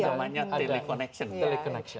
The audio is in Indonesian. ya semuanya sudah banyak tele connection